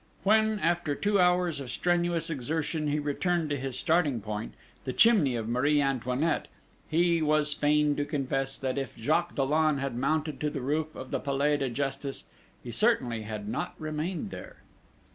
When, after two hours of strenuous exertion, he returned to his starting point, the chimney of Marie Antoinette, he was fain to confess that if Jacques Dollon had mounted to the roof of the Palais de Justice he certainly had not remained there.